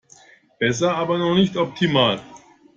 Besser, aber noch nicht optimal.